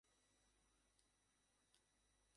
আমার ধারণা আমি সঠিক মানুষটার সাথে কথা বলছি।